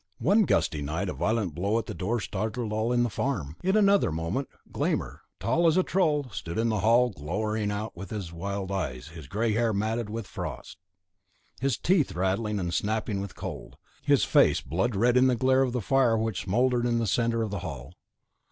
One gusty night a violent blow at the door startled all in the farm. In another moment Glámr, tall as a troll, stood in the hall glowering out of his wild eyes, his grey hair matted with frost, his teeth rattling and snapping with cold, his face blood red in the glare of the fire which smouldered in the centre of the hall.